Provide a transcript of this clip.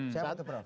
siapa tuh prof